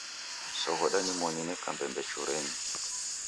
Soghoda nimoni neka mbembechurenyi.